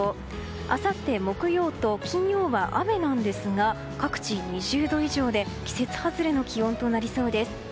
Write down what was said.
あさって、木曜と金曜は雨なんですが各地２０度以上で季節外れの気温となりそうです。